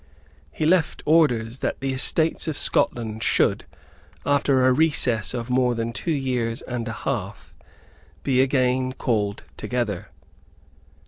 He left orders that the Estates of Scotland should, after a recess of more than two years and a half, be again called together.